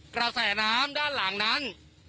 กระแสน้ำด้านหลังนั้น